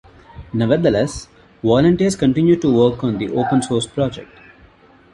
Nevertheless, volunteers continue to work on the open source project.